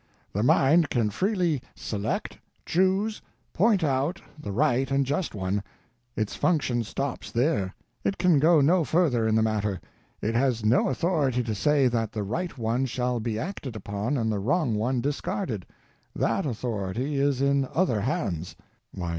The mind can freely _select, choose, point out _the right and just one—its function stops there. It can go no further in the matter. It has no authority to say that the right one shall be acted upon and the wrong one discarded. That authority is in other hands. Y.